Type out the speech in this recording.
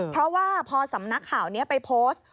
เพราะว่าพอสำนักข่าวนี้ไปโพสต์